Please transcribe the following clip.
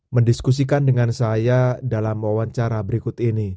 mendiskusikan dengan saya dalam wawancara berikut ini